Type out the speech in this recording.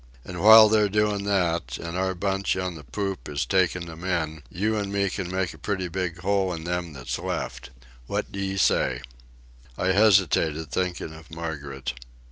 An' while they're doin' that, an' our bunch on the poop is takin' 'em in, you an' me can make a pretty big hole in them that's left. What d'ye say?" I hesitated, thinking of Margaret.